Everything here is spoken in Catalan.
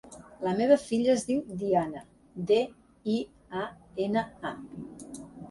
La meva filla es diu Diana: de, i, a, ena, a.